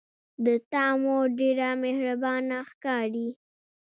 د تا مور ډیره مهربانه ښکاري